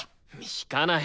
弾かない。